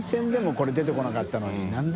これ出てこなかったのに覆鵑